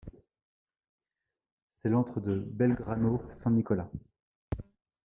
C’est l’antre du Belgrano San Nicolás.